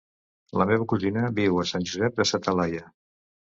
La meva cosina viu a Sant Josep de sa Talaia.